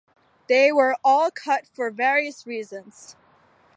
They were all cut for various reasons.